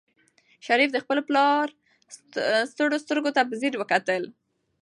شریف د خپل پلار ستړو سترګو ته په ځیر وکتل.